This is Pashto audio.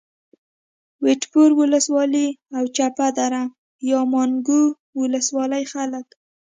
وټپور ولسوالي او چپه دره یا ماڼوګي ولسوالۍ خلک